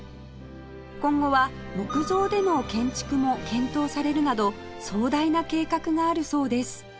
今後は木造での建築も検討されるなど壮大な計画があるそうです